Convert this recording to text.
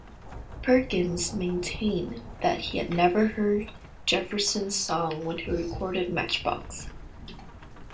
Perkins maintained that he had never heard Jefferson's song when he recorded "Matchbox".